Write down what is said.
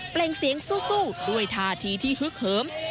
เสียงสู้ด้วยท่าทีที่ฮึกเหิม